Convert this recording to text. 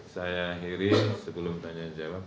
saya akhiri sebelum tanya jawab